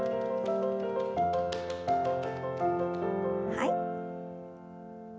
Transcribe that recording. はい。